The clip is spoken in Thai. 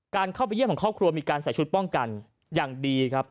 เข้าไปเยี่ยมของครอบครัวมีการใส่ชุดป้องกันอย่างดีครับ